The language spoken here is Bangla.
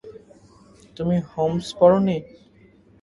তুমি হোমসে পড় নি?